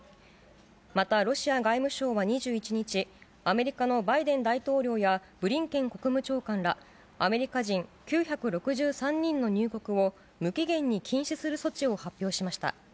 またロシア外務省は２１日、アメリカのバイデン大統領やブリンケン国務長官ら、アメリカ人９６３人の入国を、無期限に禁止する措置を発表しました。